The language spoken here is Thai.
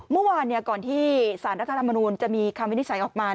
เมื่อวานก่อนที่สารรัฐธรรมนูลจะมีคำวินิจฉัยออกมา